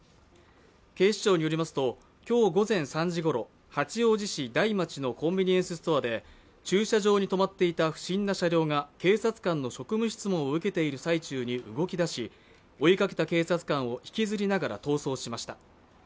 警視庁によりますと、今日午前３時ごろ、八王子市台町のコンビニエンスストアで駐車場に止まっていた不審な車両が警察官の職務質問を受けている最中に動き出し、追いかけた警察官を引きずりながら逃走しました。